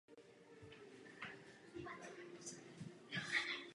Situace smluvních zaměstnanců je jiná.